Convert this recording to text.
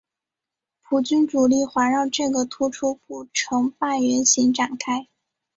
普军主力环绕这个突出部成半圆形展开。